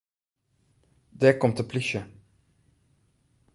Dêr komt de plysje.